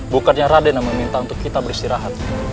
bukannya raden yang meminta untuk kita beristirahat